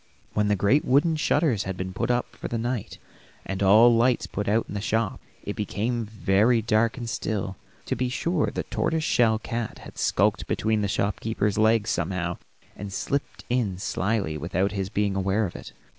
When the great wooden shutters had been put up for the night, and all lights put out in the shop, it became very dark and still; to be sure the tortoise shell cat had skulked between the shopkeeper's legs somehow, and slipped in slyly without his being aware of it.